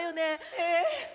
ええ。